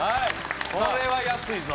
これは安いぞ。